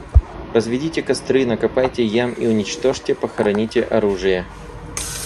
Разведите костры, накопайте ям и уничтожьте, похороните оружие.